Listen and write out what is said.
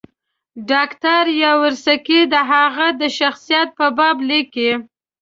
ډاکټر یاورسکي د هغه د شخصیت په باب لیکي.